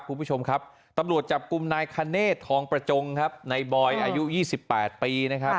คุณผู้ชมครับตำรวจจับกลุ่มนายคเนธทองประจงครับนายบอยอายุ๒๘ปีนะครับ